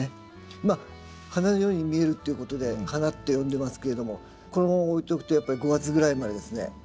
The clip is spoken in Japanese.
まあ花のように見えるっていうことで花って呼んでますけれどもこのまま置いておくとやっぱり５月ぐらいまでですね残っています。